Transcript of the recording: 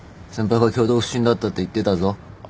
先輩が挙動不審だったって言ってたぞ。